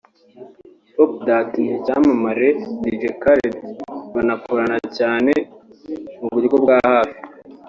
“Pop That” n’icyamamare Dj Khaled banakorana cyane mu buryo bwa hafi